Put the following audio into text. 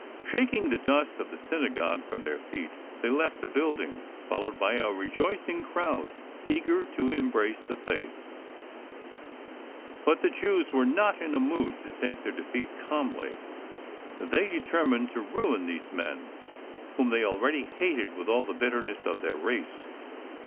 Shaking the dust of the synagogue from their feet, they left the building, followed by a rejoicing crowd eager to embrace the Faith. But the Jews were not in a mood to take their defeat calmly. They determined to rain these men whom they already hated with all the bitterness of their race.